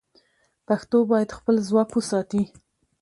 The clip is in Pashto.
پښتو باید خپل ځواک وساتي.